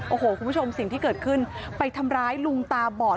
โอ้โหคุณผู้ชมสิ่งที่เกิดขึ้นไปทำร้ายลุงตาบอด